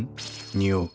匂う。